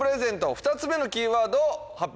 ２つ目のキーワード発表